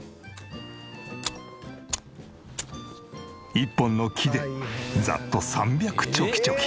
１本の木でざっと３００チョキチョキ。